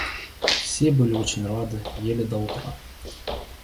Все были очень рады, ели до утра.